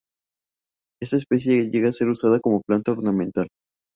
Esta especie llega a ser usada como planta ornamental.